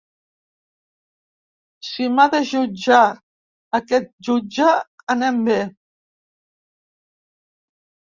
“Si m’ha de jutjat aquest jutge, anem bé!”